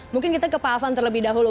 mungkin kita ke pak afan terlebih dahulu